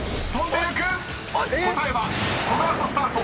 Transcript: ［答えはこの後スタート